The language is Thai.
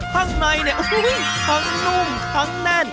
ข้างในค้างนุ่มค้างแน่น